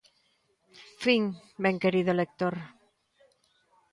Fin, benquerido lector.